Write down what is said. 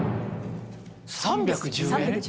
３１０円。